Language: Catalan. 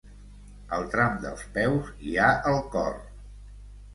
Al tram dels peus hi ha el cor.